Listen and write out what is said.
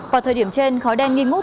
vào thời điểm trên khói đen nghi ngút